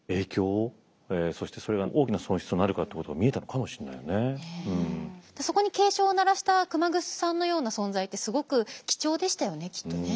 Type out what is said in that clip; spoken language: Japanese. こと知りたいっていうものがそこに警鐘を鳴らした熊楠さんのような存在ってすごく貴重でしたよねきっとね。